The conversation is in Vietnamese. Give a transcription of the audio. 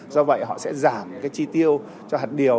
do vậy họ sẽ giảm cái chi tiêu cho hạt điều